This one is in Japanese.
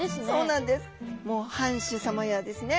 もう藩主さまやですね